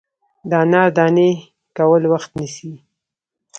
د انار دانې کول وخت نیسي.